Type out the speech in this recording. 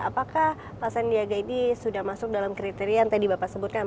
apakah pak sandiaga ini sudah masuk dalam kriteria yang tadi bapak sebutkan